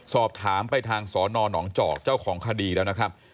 สอบถามไปทางสนหนองจอกเจ้าของคดีแล้วนะครับ